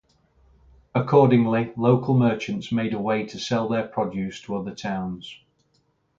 Accordingly, local merchants made a way to sell their produce to other towns.